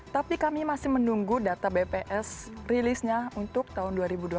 tapi kami masih menunggu data bps rilisnya untuk tahun dua ribu dua puluh